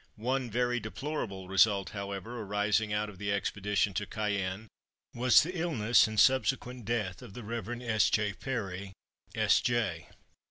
One very deplorable result, however, arising out of the expedition to Cayenne was the illness and subsequent death of the Rev. S. J. Perry, S.J.